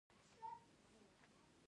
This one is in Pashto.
دا برخلیک د شتمنۍ له پلوه وي.